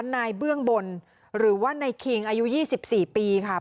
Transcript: เบื้องบนหรือว่านายคิงอายุ๒๔ปีค่ะ